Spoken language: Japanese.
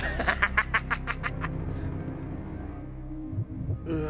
ハハハハ！